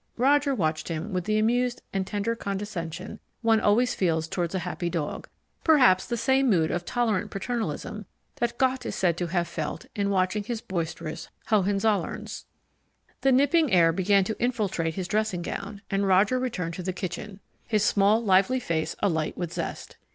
Roger watched him with the amused and tender condescension one always feels toward a happy dog perhaps the same mood of tolerant paternalism that Gott is said to have felt in watching his boisterous Hohenzollerns. The nipping air began to infiltrate his dressing gown, and Roger returned to the kitchen, his small, lively face alight with zest.